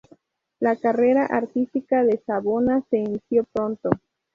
La carrera artística de Savona se inició pronto.